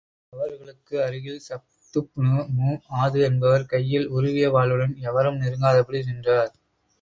அவர்களுக்கு அருகில் ஸஃதுப்னு மு ஆது என்பவர் கையில் உருவிய வாளுடன் எவரும் நெருங்காதபடி நின்றார்.